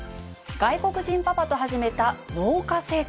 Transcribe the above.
外国人パパと始めた農家生活。